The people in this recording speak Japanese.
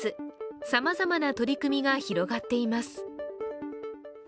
さまざまな取り組みが広がっています。